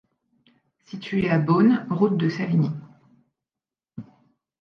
Situé à Beaune, route de Savigny.